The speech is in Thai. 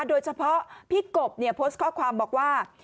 โดยเฉพาะพี่กบโพสต์ข้อความบอกว่า